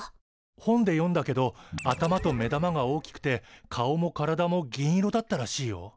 本で読んだけど頭と目玉が大きくて顔も体も銀色だったらしいよ。